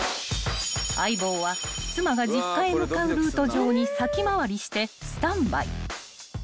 ［相棒は妻が実家へ向かうルート上に先回りしてスタンバイ］